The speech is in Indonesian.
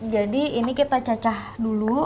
jadi ini kita cacah dulu